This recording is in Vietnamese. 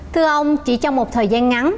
không chỉ trong một thời gian ngắn